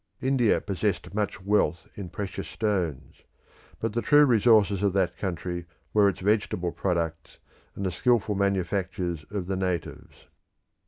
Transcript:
India possessed much wealth in precious stones, but the true resources of that country were its vegetable products and the skilful manufactures of the natives.